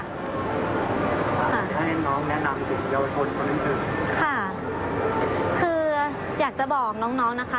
ให้น้องแนะนำค่ะคืออยากจะบอกน้องน้องนะคะ